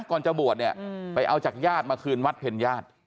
ก่อนจะบวชเนี่ยไปเอาจากญาติมาคืนวัดเพ็ญญาติ